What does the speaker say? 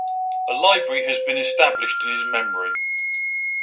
A library has been established in his memory.